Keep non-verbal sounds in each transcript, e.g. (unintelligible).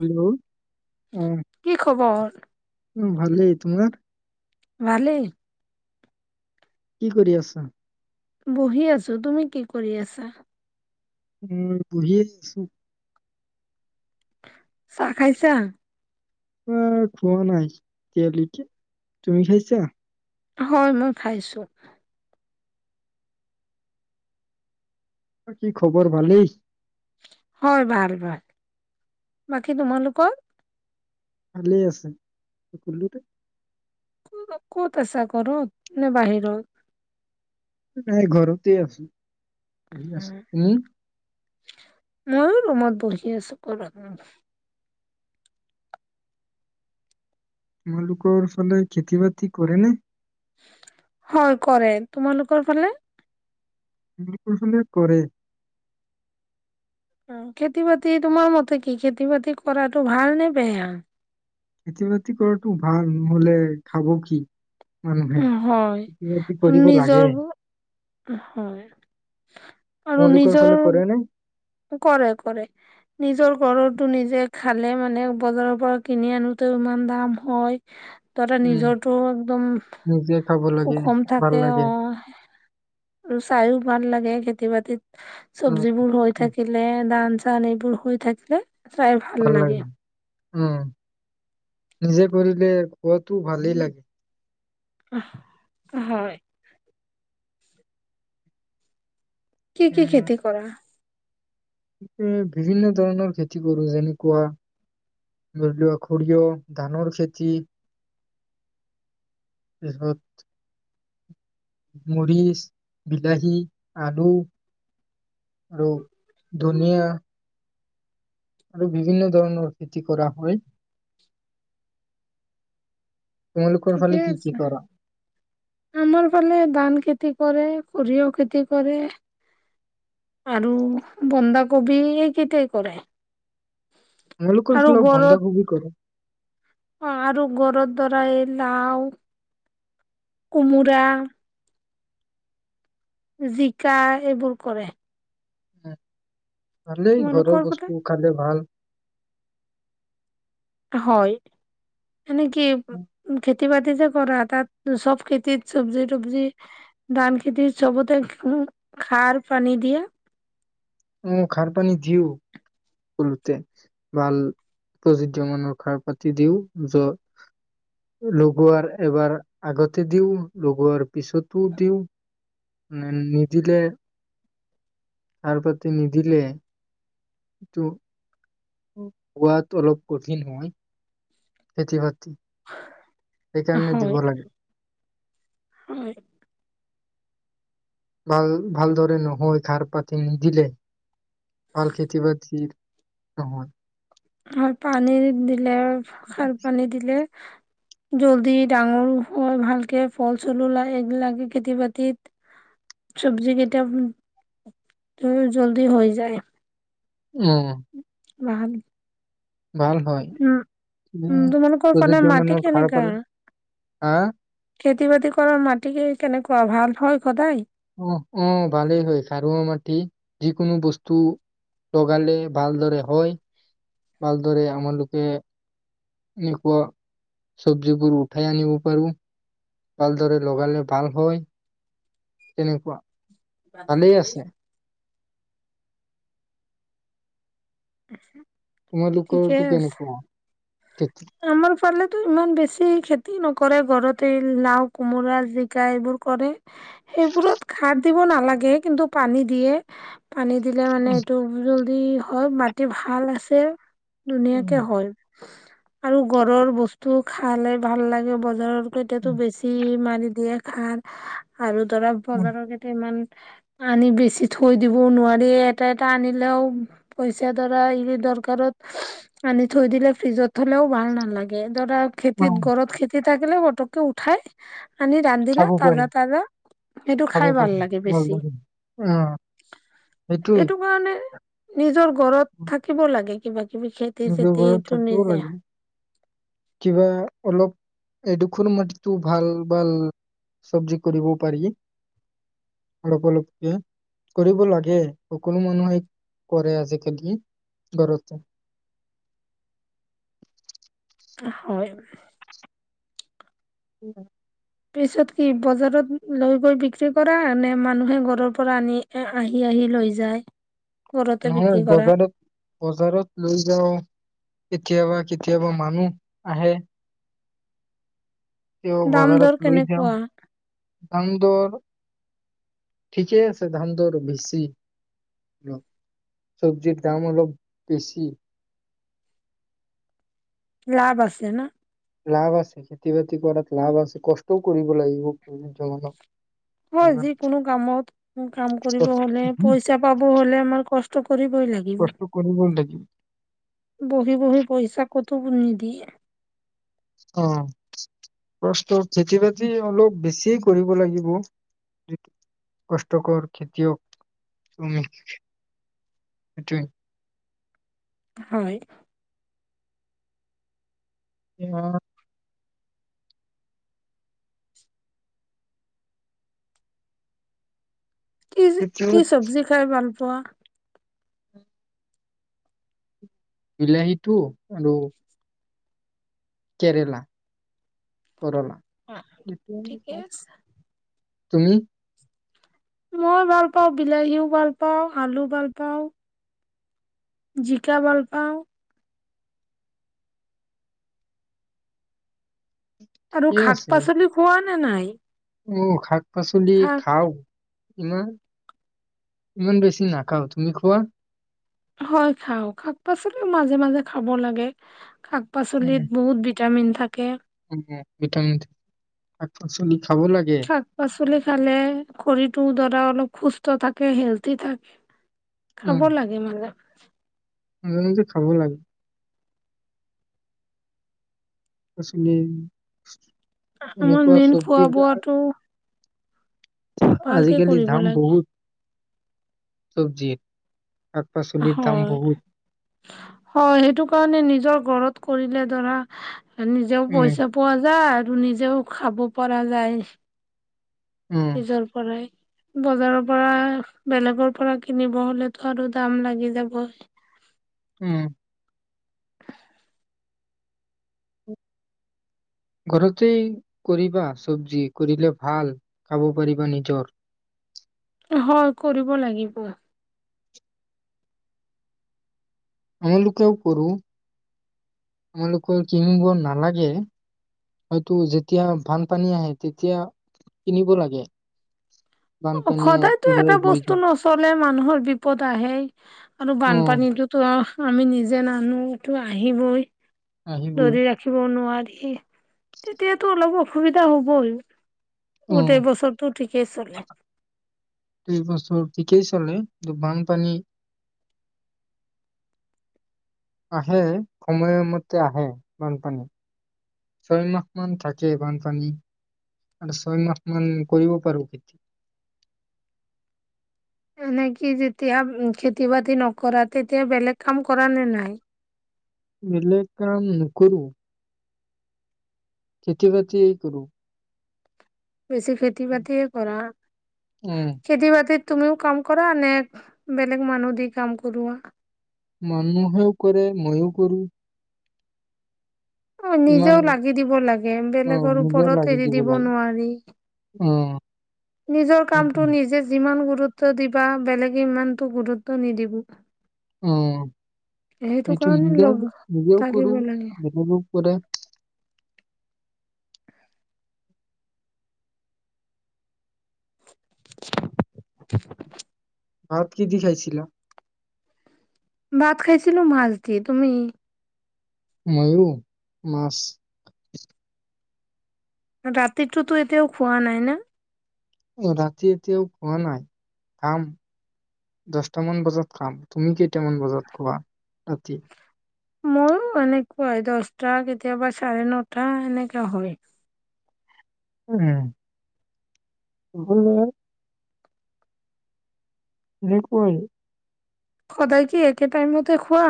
Hello কি খবৰ? উম ভালে, তোমাৰ? ভালে কি কৰি আছা? বহি আছো, তুমি কি কৰি আছা? উম, বুঢ়িয়ে আছো। চাহ খাইছা? আহ খোৱা নাই এতিয়ালৈকে তুমি খাইছা? হয়, মই খাইছো। কি খবৰ ভালেই। হয় ভাল ভাল বাকী তোমালোকক ভালেই আছে কুললোতে ক'ত আছা কৰত নে বাহিৰত? নাই ঘৰততে আছো। বুজিলছ, উম। ময়ো ৰুমত বহি আছো কল তোমালোকৰ ফালে খেতি-বাতি কৰে ন'? হয়, কৰে তোমালোকৰ ফালে নল কৌশল কৰে। খেতি-বাতি তোমাৰ মতে কি খেতি বাতি কৰাটো ভাল নে বেয়া? খেতি-বাতি কৰাটো ভাল নহ'লে খাব কি? মানুহে হয় খেতি বাতি আৰু কৰিব লাগে নিজৰ হয় আৰু তোমালোকৰ নিজৰ ফালে কৰে নে কৰে কৰে নিজৰ ঘৰতটো নিজে খালে মানে বজাৰৰ পৰা কিনি আনোতে ইমান দাম হয়। দাদা উম নিজৰটো একদম নিজে খাব লাগে সুষম ভাল থাকে লাগে অ'। ৰ চায়ু বান লাগে খেতি বাতিত উম চব্জিবোৰ হৈ থাকিলে ধান আন এইবোৰ হৈ থাকিলে চাই ভাল লাগে। উম, নিজে কৰিলে কোৱাটো ভালেই লাগে। হয়। কি কি উম খেতি কৰা? বিভিন্ন ধৰণৰ খেতি কৰো যেনেকুৱা ধৰি লোৱা সৰিয়হ ধানৰ খেতি মৰিচ, বিলাহী, আলু আৰু ধনিয়া আৰু বিভিন্ন ধৰণৰ খেতি কৰা হয়। তোমালোকৰ ফালে ঠিকেই কি কি আছে, কৰা? আমাৰ ফালে ধান খেত খেতি কৰে সৰিয়হ খেতি কৰে আৰু বন্ধাকবি এইকেইট কৰে। মলকৰৰ ফুলভ বন্ধা খুবেই কৰে। অ', আৰু ঘৰৰ দাৰ এই লাওঁ কোমোৰা জিকা এইবোৰ কৰে। উম, ভালেই ঘৰৰ তোমালোকৰ ফালে বস্তু খালে ভাল। হয়। মনে কি উ খেতি বাতি যে কৰা তাত চব খেতিত চবজি তবজি ধান খেতিত চবতে খাৰ পানী দিয়া। উ খাৰ পানী দিও সলোতে ভাল প্ৰযোজ্য মানৰ খাৰ পাতি দিও যত লগোৱাৰ এবাৰ আগতে দিও লগোৱাৰ। পিছতো দিওঁ উম নিদিলে সাৰ পাতি নিদিলে এইটো হোৱাত অলপ কঠিন হয় খেতি বাতি সেইকাৰণে হয় দিব লাগে। হয়। ভাল ভালদৰে নহয় ঘাৰ পাতি নিদিলে ভাল খেতি বাতিৰ নহয়। আৰু পানী দিলে খাল পানী দিলে। জল্দি ডাঙৰো হয় ভালকে ফল চলো এইিলাকে খেতি বাতিত চব্জি কেইটা জল্দি হৈ যায়। উম মাহান ভাল হয় উম তোমালোকৰ যদি ফালে য মাটি মানুহ খাৰ কেনেকা পালে আহ খেতি বাতি কৰা মাটি কি কেনেকুৱা ভাল হয় সদায়। আহ আহ ভালেই হয় খাৰুৱা মাটি যিকোনো বস্তু লগালে ভালদৰে হয় ভালদৰে আমালোকে এনেকুৱা চব্জিবোৰ উঠাই আনিব পাৰো ভালদৰে লগালে ভাল হয়। তেনেকুৱা। বাদি ভালেই দে পে আছে ছো আছা। তোমালোকৰটো কেনেকুৱা। খেতি আমাৰ ফালেতো ইমান বেছি খেতি নকৰে ঘৰতে নাও কোমোৰা জিকা এইবোৰ কৰে সেইবোৰত খাৰ দিব নালাগে কিন্তু পানী দিয়ে। পানি দিলে মানে উম, এইটো উম হয় মাটি ভাল আছে উম, ধুনীয়াকে হয়। আৰু গৰৰ বস্তু খালে ভাল লাগে বজাৰত এতিয়াতো উম, বেছি মাই দিয়ে খাৰ আৰু তৰা উম, বজাৰৰ কেইটা ইমান আনি বেছি থৈ দিবও নোৱাৰি এটা এটা আনিলেও পইচাডৰা এৰি দৰকাৰত আনি থৈ দিলে ফ্ৰিজত। হলেও ভাল নালাগে। ধৰা খেতিত উম, ঘৰত খেতিত। থাকেলে পটকে উঠাই আনি ৰান্ধিলে খাব পাৰি তাজা তাজা সেইটো খাব খাই ভাল পাৰি লাগে বেছি ভালদৰে অ সেইটোৱে সেইটো কাৰণে নিজৰ ঘৰত থাকিব লাগে কিবা কিবা খেতি নিজৰ চেতি ঘৰত উঠে থাকিব নেকি? লাগে কিবা অলপ এডোখৰ মাটিতো ভাল ভাল চবজি কৰিব পাৰি অলপ অলপকে কৰিব লাগে সকলো মানুহে কৰে আজিকালি ঘৰতে। হয় উ পিছত কি বজাৰত লৈ গৈ বিক্ৰী কৰা নে মানুহে ঘৰৰ পৰা আনি আহি আহি লৈ যায়। ঘৰতে নহয় বিক্ৰী কৰা বজাৰত বজাৰত লৈ যাই কেতিয়াবা কেতিয়াবা মানুহ আহে তেওঁ দাম দৰ বজাৰত লৈ যাও কেনেকুৱা দাম দৰ ঠিকেই আছে ধান দৰ বেছি চবজিৰ দাম অলপ বেছি লাভ আছে ন লাভ আছে খেতি বাতি কৰাত লাভ আছে কষ্টও কৰিব লাগিব বহুত জামেলা হয় যিকোনো কামত কাম কষ্ট কৰিব হলে হুম, পইচা পাব হলে ন কচ কষ্ট কৰিবই লাগিব বহি বহি পইচা কতো নিদিয়ে অ কষ্ট খেতি বাতি অলপ বেছিয়ে কৰিব লাগিব কষ্টকৰ খেতিয়ক উম সেইটোৱে হয় আ কি খেতি কি চব্জি খাই ভাল ৱাহ বিলাহীটো আৰু কেৰেলা কৰেলা ঠিকে আছে তুমি মই ভাল পাওঁ বিলাহীও ভাল পাওঁ আলু ভাল পাওঁ জিকা ভাল পাওঁ, আৰু ঠিকে শাক পাচলি খোৱা নে নাই? (unintelligible) উম খাক পাচলি শাক খাওঁ। ইমান ইমান বেছি নাখাও তুমি খোৱা হয় খাও শাক পাচলিও মাজে মাজে খাব লাগে শাক পাচলিত বহুত ভিটামিন থাকে উ ভিটামিন থচ--শাক পাচলি খাব লাগে। চলি খালে শৰীৰটো ধৰা অলপ সুস্থ থাকে হেলদি থাকে। উম, খাব লাগে মানে (inaudible) মাজে মাজে খাব লাগে পচি আমাৰ মেইন খোৱা বোৱাটো ভালকে আজিকালি কৰিব ধাম লাগে বহুত চবজিৰ শাক পাচলিৰ দাম হয় বহুত হয় সেইটো কাৰণে নিজৰ ঘৰত কৰিলে ধৰা আৰু নিজেও উম, পইচা পোৱা যায় টো নিজেও খাব পৰা যায় উম, নিজৰ পৰাই‌ বজাৰৰ পৰা বেলেগৰ পৰা কিনিব হ'লেতো আৰু দাম লাগি যাব উম (inaudible) ঘৰতেই কৰিবা চবজি কৰিলে ভাল খাব পাৰিবা নিজৰ হয় কৰিব লাগিব আমলোকেও কৰো আমালোকৰ কিনিব নালাগে হয়তো যেতিয়া বানপানী আহে তেতিয়া কিনিব লাগে অ বানপানীয়ে সদায়তো এটা উৰুৱাই লৈ বস্তু যায়। নচলে মানুহৰ বিপদ আহেই আৰু অ', বানপানীটোতো আমি নিজে নানোটো আহিবই আহিবই। যদি ৰাখিব নোৱাৰি সেই তেতিয়াতো অলপ অসুবিধা হ'বই অ', গোটেই বছৰটো ঠিকেই চলে দুই বছৰ ঠিকেই চলে কিন্তু বানপানী আহে সময়মতে আহে বানপানী ছয়মাহ মান থাকে বানপানী আৰু ছয়মাহ মান কৰিব পাৰো খেতি এনেকি যেতিয়া খেতি -বাতি নকৰা তেতিয়া বেলেগ কাম কৰা নে নাই? বিলেক কাম নকৰু খেতি-বাতি কৰোঁ বেছি খেতি বাতিয়ে কৰা অ খেতি বাতিত তুমিও কাম কৰা নে বেলেগ মানুহ দি কাম কৰোৱা মানুহেও কৰে মইয়ো কৰোঁ অ নিজেও লাগি দিব লাগে অ বেলেগৰ নিজেও ওপৰত লাগি এৰি দিব লাগে নোৱাৰি অ নিজৰ সেইটো কামটো নিজে যিমান গু- গুৰুত্ব দিবা বেলেগে ইমানতটো গুৰুত্ব নিদিবো অ এইটো কাৰণে নিজেও লগ নিজেও থাকিব কৰো লাগে। নিজো কৰে (unintelligible) ভাত কি দি খাইছিলা ভাত খাইছিলো মাছ দি তুমি ময়ুৰ মাছ ৰাতিটোতো এতিয়াও খোৱা নাই না ৰাতি এতিয়াও খোৱা নাই খাম দহটামান বজাত খাম তুমি কেইটামান বজাত খোৱা ৰাতি ময়ো এনেকুৱাই দহটা কেতিয়াবা চাৰে নটা এনেককা হয় উম আ বকুল সদায় কি একে টাইম মতে খোৱা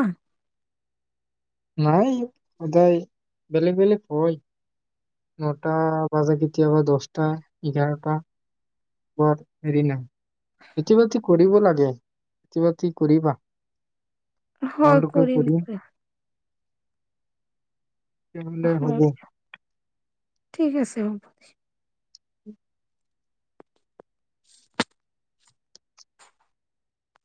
নাই সদায় বেলেগ বেলেগ হয় নটা বাজা কেতিয়াবা দহটা এঘাৰটা তাৰ হেৰি নাই কেতিয়াবা বাতি কৰিব লাগে কেতিয়াবা কৰিবা হয় কৰিম তেনেহ'লে হ'ব। হয় ঠিক আছে হ'ব (unintelligible)